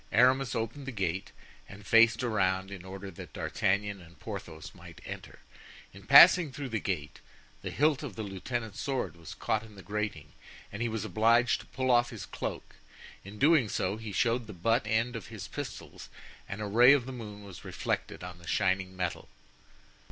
Aramis opened the gate and faced around in order that D'Artagnan and Porthos might enter. In passing through the gate, the hilt of the lieutenant's sword was caught in the grating and he was obliged to pull off his cloak; in doing so he showed the butt end of his pistols and a ray of the moon was reflected on the shining metal.